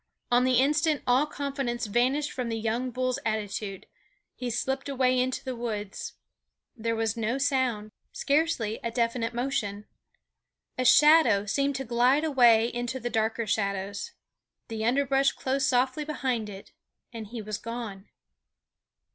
On the instant all confidence vanished from the young bull's attitude. He slipped away into the woods. There was no sound; scarcely a definite motion. A shadow seemed to glide away into the darker shadows. The underbrush closed softly behind it, and he was gone.